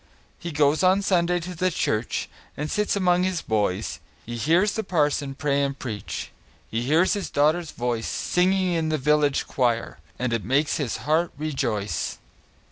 He goes on Sunday to the church, And sits among his boys; He hears the parson pray and preach, He hears his daughter's voice, Singing in the village choir, And it makes his heart rejoice.